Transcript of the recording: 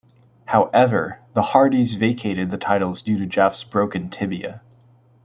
However, The Hardys vacated the titles due to Jeff's broken tibia.